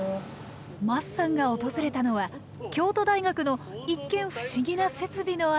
桝さんが訪れたのは京都大学の一見ふしぎな設備のある研究室。